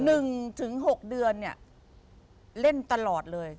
หนึ่งถึงหกเดือนเนี่ยเล่นตลอดเลย